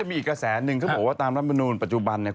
มีอีกกระแสหนึ่งเขาบอกว่าตามรัฐมนูลปัจจุบันเนี่ย